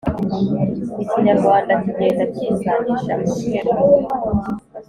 ikinyarwanda kigenda cyisanisha mu nteruro,